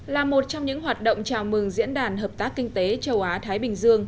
là một trong những hoạt động chào mừng diễn đàn hợp tác kinh tế châu á thái bình dương